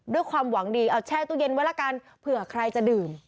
ด้วยความหวังดีเอาแช่ตู้เย็นไว้ละกันเผื่อใครจะดื่ม